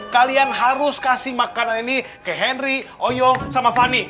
kalian harus kasih makanan ini ke henry oyo sama fani